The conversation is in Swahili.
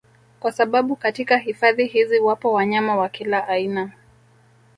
Kwa sababu katika hifadhi hizi wapo wanyama wa kila aina